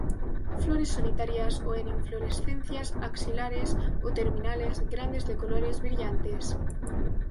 Flores solitarias o en inflorescencias axilares o terminales, grandes de colores brillantes.